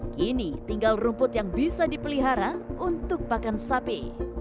kini tinggal rumput yang bisa dipelihara untuk pakan sapi